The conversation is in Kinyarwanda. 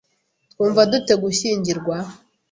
Twumva dute gushyingirwa?